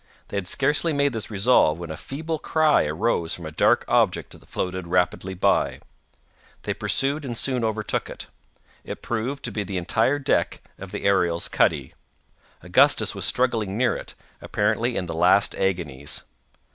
They had scarcely made this resolve when a feeble cry arose from a dark object that floated rapidly by. They pursued and soon overtook it. It proved to be the entire deck of the Ariel's cuddy. Augustus was struggling near it, apparently in the last agonies.